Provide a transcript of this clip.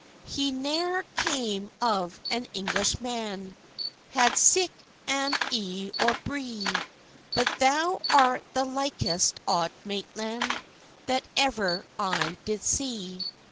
"He ne'er came of an Englishman, Had sic an e'e or bree; But thou art the likest Auld Maitland, That ever I did see.